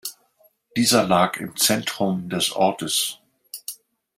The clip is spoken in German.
Dieser lag im Zentrum des Ortes.